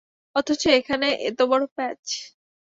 অথচ এখানেই এতবড় প্যাচ!